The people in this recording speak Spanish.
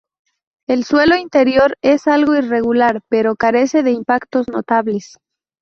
El suelo interior es algo irregular, pero carece de impactos notables.